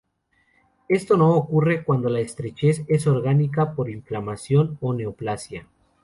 Esto no ocurre cuando la estrechez es orgánica, por inflamación o neoplasia.